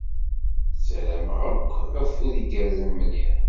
Ssarameɣ-ak afud igerrzen mliḥ.